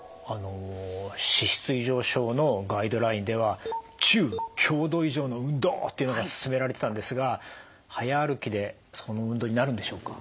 「脂質異常症のガイドライン」では「中強度以上の運動」というのが勧められてたんですが早歩きでその運動になるんでしょうか？